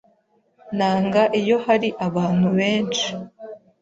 Nanga iyo hari abantu benshi.